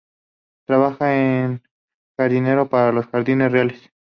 Trabaja de jardinero para los Jardines Reales.